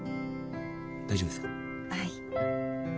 はい。